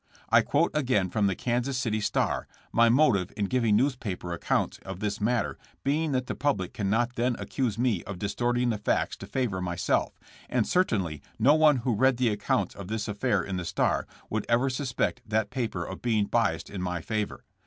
I quote again from the Kansas City Star, my motive in giving newspaper accounts of this matter being that the public cannot then ac cuse me of distorting the facts to favor myself, and certainly no one who read the accounts of this affair in the Star would ever suspect that paper of being biased in my favor.